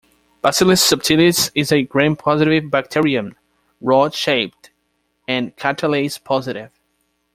"Bacillus subtilis" is a Gram-positive bacterium, rod-shaped and catalase-positive.